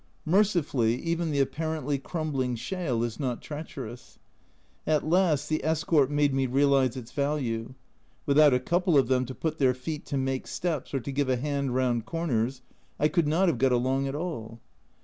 Merci fully, even the apparently crumbling shale is not treacherous. At last the escort made me realise its value ; without a couple of them to put their feet to make steps, or to give a hand round corners, I could not have got along at all.